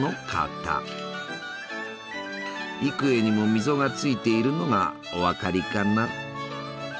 幾重にも溝がついているのがお分かりかな？